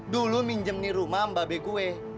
dulu minjem nih rumah mba be gue